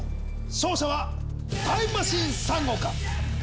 勝者はタイムマシーン３号か？